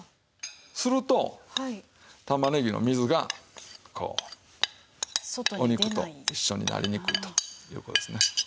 すると玉ねぎの水がこうお肉と一緒になりにくいという事ですね。